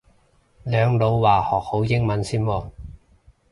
兩老話學好英文先喎